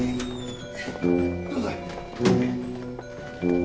どうぞ。